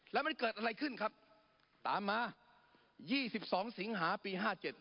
แล้วมันเกิดอะไรขึ้นครับตามมา๒๒สิงหาปี๕๗